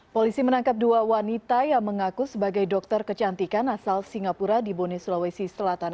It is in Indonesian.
polisi menangkap dua wanita yang mengaku sebagai dokter kecantikan asal singapura di bone sulawesi selatan